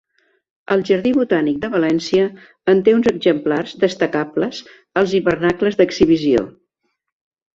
El Jardí Botànic de València en té uns exemplars destacables als hivernacles d'exhibició.